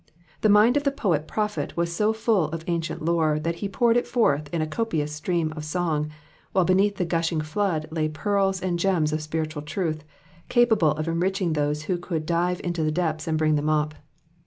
The mind of the poet prophet was so full of ancient lore that he poured it forth in a copious stream of song, while beneath the gushing flood lay pearls and gems of spiritual truth, capable of enriching those who could dive into the depths and bring them up.